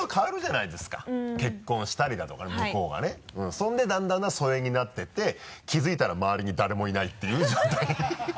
そんでだんだん疎遠になっていって気づいたら周りに誰もいないっていう状態